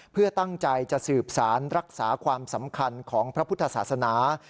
เพื่อตั้งใจจะสืบสารรักษาความสำคัญของพระพุทธศาสนา